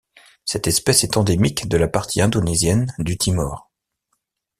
Cette espèce est endémique de la partie indonésienne du Timor.